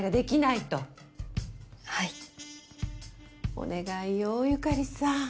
お願いよ由香里さん。